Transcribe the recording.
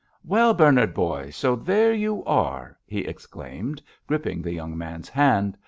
"Well, Bernard, boy, so there you are," he exclaimed, gripping the young man's hand.